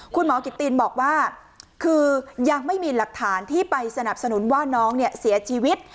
คุณหมอกิตตินบอกว่าคือยังไม่มีหลักฐานที่ไปสนับสนุนว่าน้องเนี่ยเสียชีวิต